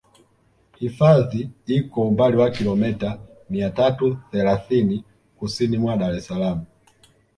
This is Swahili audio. Hifadhi iko umbali wa kilometa mia tatu thelathini kusini mwa Dar es Salaam